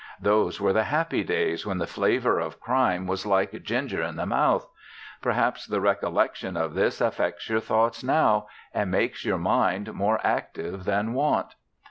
Those were the happy days when the flavour of Crime was like ginger i' the mouth. Perhaps the recollection of this affects your thoughts now, and makes your mind more active than want.